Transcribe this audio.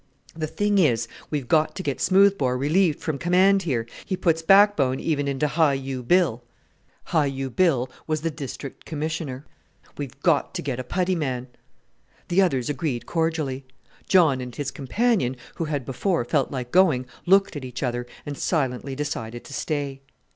"The thing is, we've got to get Smoothbore relieved from command here. He puts backbone even into Hi u Bill" (Hi u Bill was the District Commissioner). "We've got to get a putty man." The others agreed cordially. John and his companion, who had before felt like going, looked at each other, and silently decided to stay.